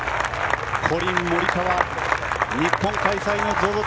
コリン・モリカワ、日本開催のＺＯＺＯ